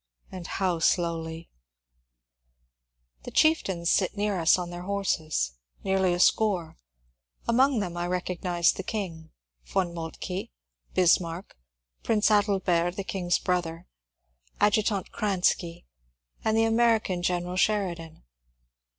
And how slowly ! The chieftains near us sit on their horses, nearly a score ; among them I recognized the King, Yon Moltke, Bismarck, Prince Adelbert the King's brother. Adjutant Kranski, and the American General Sheridan.